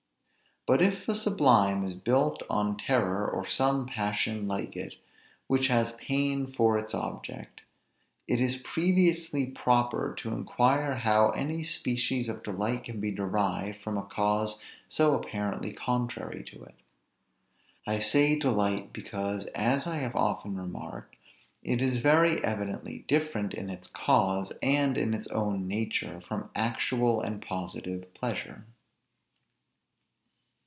But if the sublime is built on terror or some passion like it, which has pain for its object, it is previously proper to inquire how any species of delight can be derived from a cause so apparently contrary to it. I say delight, because, as I have often remarked, it is very evidently different in its cause, and in its own nature, from actual and positive pleasure.